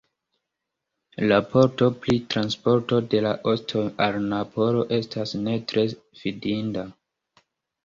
Raporto pri transporto de la ostoj al Napolo estas ne tre fidinda.